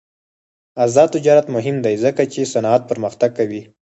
آزاد تجارت مهم دی ځکه چې صنعت پرمختګ کوي.